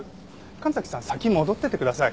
神崎さん先戻っててください。